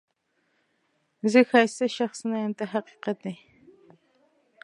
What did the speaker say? زه ښایسته شخص نه یم دا حقیقت دی.